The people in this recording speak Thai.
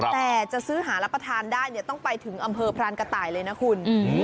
แต่จะซื้อหารับประทานได้เนี่ยต้องไปถึงอำเภอพรานกระต่ายเลยนะคุณ